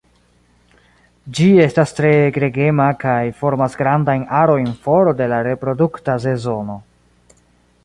Ĝi estas tre gregema kaj formas grandajn arojn for de la reprodukta sezono.